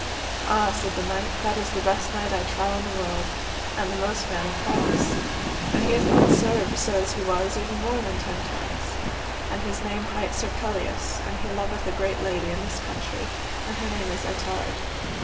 Ah, said the knight, that is the best knight I trow in the world, and the most man of prowess, and he hath been served so as he was even more than ten times, and his name hight Sir Pelleas, and he loveth a great lady in this country and her name is Ettard.